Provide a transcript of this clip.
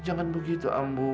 jangan begitu ambu